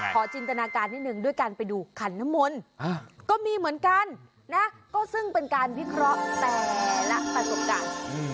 จินตนาการนิดนึงด้วยการไปดูขันน้ำมนต์ก็มีเหมือนกันนะก็ซึ่งเป็นการวิเคราะห์แต่ละประสบการณ์